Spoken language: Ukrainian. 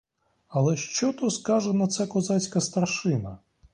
Але що то скаже на це козацька старшина?